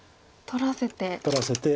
取らせて。